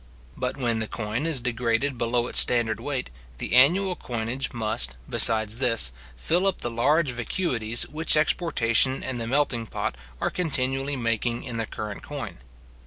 But when the coin is degraded below its standard weight, the annual coinage must, besides this, fill up the large vacuities which exportation and the melting pot are continually making in the current coin.